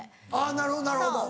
なるほどなるほど。